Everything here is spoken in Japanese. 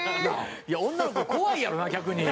いや女の子怖いやろうな逆に。